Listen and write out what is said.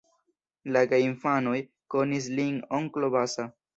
La geinfanoj konis lin "onklo Basa".